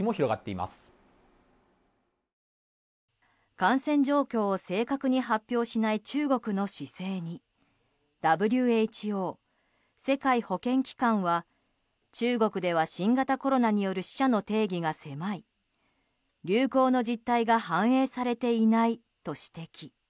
感染状況を正確に発表しない中国の姿勢にＷＨＯ・世界保健機関は中国では、新型コロナによる死者の定義が狭い流行の実態が反映されていないと指摘。